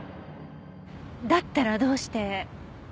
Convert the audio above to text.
だったらどうして？